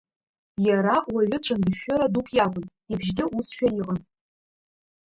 Иара уаҩы цәындышәшәыра дук иакәын, ибжьгьы усшәа иҟан.